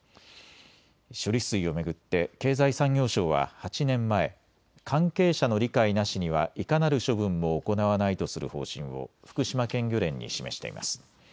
処理水を巡って経済産業省は８年前、関係者の理解なしにはいかなる処分も行わないとする方針を福島県漁連に示しています。